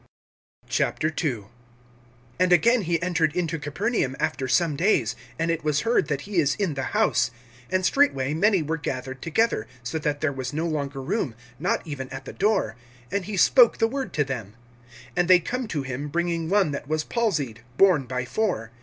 II. AND again he entered into Capernaum after some days; and it was heard that he is in the house. (2)And straightway many were gathered together, so that there was no longer room, not even at the door; and he spoke the word to them. (3)And they come to him, bringing one that was palsied, borne by four.